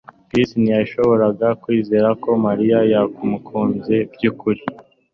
Chris ntiyashoboraga kwizera ko Mariya yamukunze byukuri